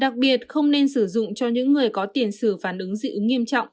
đặc biệt không nên sử dụng cho những người có tiền xử phản ứng dị ứng nghiêm trọng